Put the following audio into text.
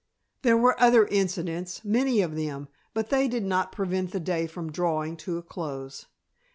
There were other incidents, many of them, but they did not prevent the day from drawing to a close.